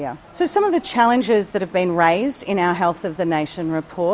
dr umum dan ketua keputusan